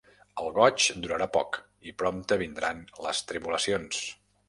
El goig durarà poc i prompte vindran les tribulacions.